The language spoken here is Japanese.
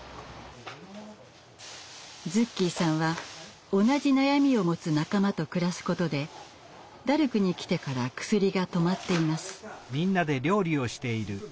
ズッキーさんは同じ悩みを持つ仲間と暮らすことでダルクに来てからクスリが止まっています。